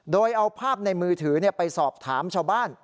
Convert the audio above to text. โดยเอาภาพในมือถือไปสอบถามชาวบ้าน